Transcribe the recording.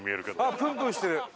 あっプンプンしてる。